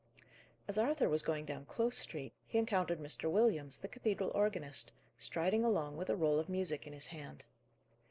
As Arthur was going down Close Street, he encountered Mr. Williams, the cathedral organist, striding along with a roll of music in his hand.